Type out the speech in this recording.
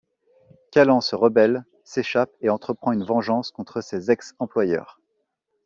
Callan se rebelle, s’échappe et entreprend une vengeance contre ces ex-employeurs.